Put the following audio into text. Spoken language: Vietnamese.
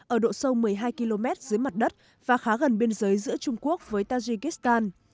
ở độ sâu một mươi hai km dưới mặt đất và khá gần biên giới giữa trung quốc với tajikistan